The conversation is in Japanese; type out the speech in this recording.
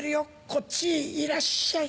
こっちいらっしゃい。